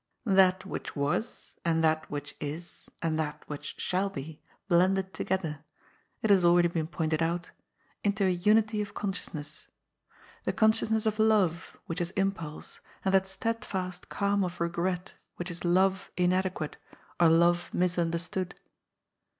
That which was, and that which is and that which shall be blended together — ^it has already been pointed out — into a unity of consciousness. The con sciousness of love, which is impulse, and that steadfast A PRINCE AMONG PAUPERa 205 calm of regret which is love inadequate or love misunder stood.